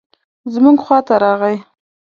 زموږ خواته راغی.